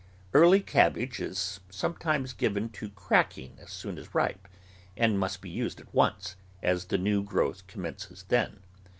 Early cabbage is sometimes given to cracking as soon as ripe, and must be used at once, as the new growth commences then.